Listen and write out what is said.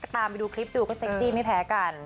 ตามไปดูคลิปดูก็เซ็กซี่ไม่แพ้กัน